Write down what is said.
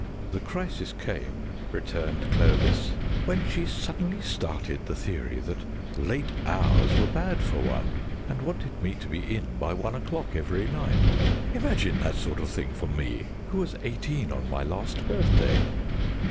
"The crisis came," returned Clovis, "when she suddenly started the theory that late hours were bad for one, and wanted me to be in by one o'clock every night. Imagine that sort of thing for me, who was eighteen on my last birthday."